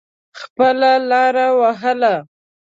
خپله لاره وهله.